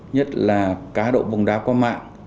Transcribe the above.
nhất là cá độ bóng đá qua mạng